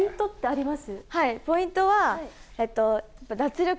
ポイントは、脱力。